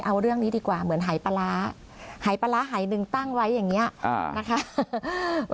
เอาเรื่องนี้ดีกว่าเหมือนหายปลาร้าหายปลาร้าหายหนึ่งตั้งไว้อย่างนี้นะคะ